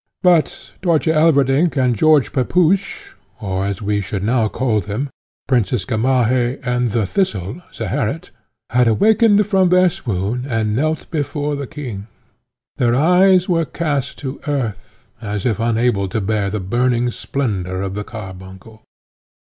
But Dörtje Elverdink and George Pepusch, or, as we should now call them, Princess Gamaheh and the Thistle, Zeherit, had awakened from their swoon, and knelt before the king. Their eyes were cast to earth, as if unable to bear the burning splendour of the carbuncle.